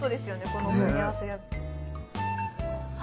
この組み合わせあ